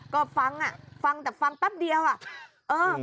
ก็ฟังอ่ะฟังแต่ฟังตับเดียวอ่ะ